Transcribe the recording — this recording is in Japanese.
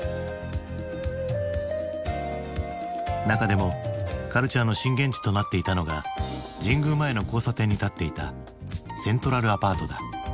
中でもカルチャーの震源地となっていたのが神宮前の交差点に立っていたセントラルアパートだ。